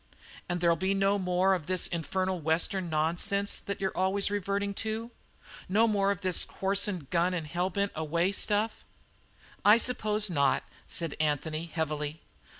"And there'll be no more of this infernal Western nonsense that you're always reverting to? No more of this horse and gun and hell bent away stuff?" "I suppose not," said Anthony heavily.